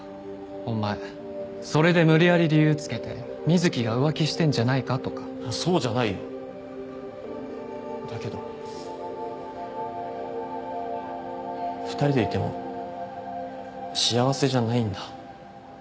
お前それで無理やり理由つけて瑞貴が浮気してんじゃないかとかそうじゃないよだけど２人でいても幸せじゃないんだ